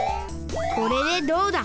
これでどうだ。